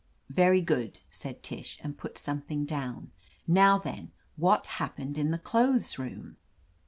"Very good," said Tish, and put something down. "Now then, what happened in the clothes room?"